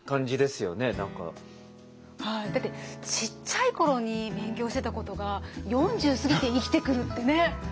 だってちっちゃい頃に勉強してたことが４０過ぎて生きてくるってね。